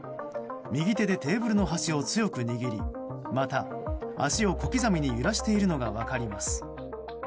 右手でテーブルの端を強く握りまた、足を小刻みに揺らしているのが分かります。